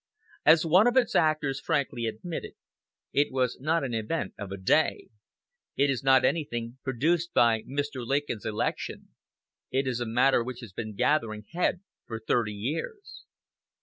As one of its actors frankly admitted, it was "not an event of a day. It is not anything produced by Mr. Lincoln's election.... It is a matter which has been gathering head for thirty years."